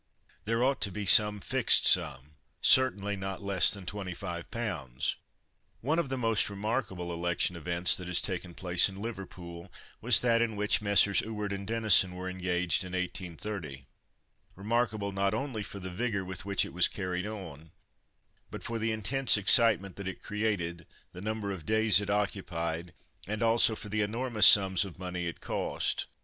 There ought to be some fixed sum certainly not less than 25 pounds." One of the most remarkable election events that has taken place in Liverpool was that in which Messrs. Ewart and Denison were engaged in 1830. Remarkable not only for the vigour with which it was carried on, but for the intense excitement that it created, the number of days it occupied, and also for the enormous sums of money it cost.